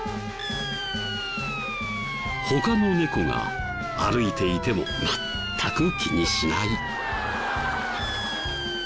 他の猫が歩いていても全く気にしない。